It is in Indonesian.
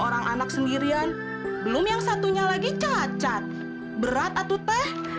orang anak sendirian belum yang satunya lagi cacat berat atau teh